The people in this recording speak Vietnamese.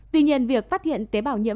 tuy nhiên việc phát hiện tế bào nhiễm